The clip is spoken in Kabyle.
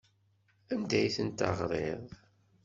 Anda ay tent-teɣriḍ?